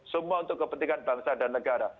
semua untuk kepentingan bangsa dan negara